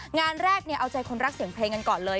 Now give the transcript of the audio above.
งานแรกเอาใจคนรักเสียงเพลงกันก่อนเลย